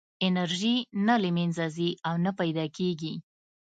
انرژي نه له منځه ځي او نه پیدا کېږي.